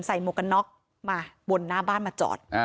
ใส่มกน็อกบนหน้าบ้านมาจอด